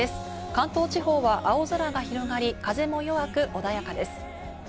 関東地方は青空が広がり、風も弱く穏やかです。